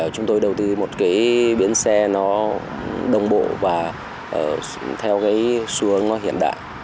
chúng tôi đầu tư một bến xe đồng bộ và theo xu hướng hiện đại